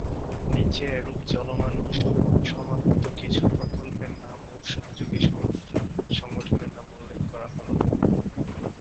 নিচে এরূপ চলমান ও সমাপ্ত কিছু প্রকল্পের নাম ও সহযোগী সংস্থা/সংগঠনের নাম উল্লেখ করা হল।